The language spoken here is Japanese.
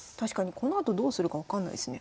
このあとどうするか分かんないですね。